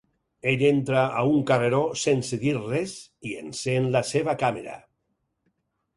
Ell entra a un carreró sense dir res i encén la seva càmera.